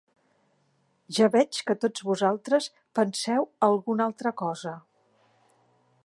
Ja veig que tots vosaltres penseu alguna altra cosa.